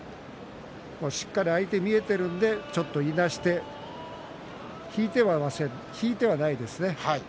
しっかり相手が見えているのでちょっといなして引いてはないですね。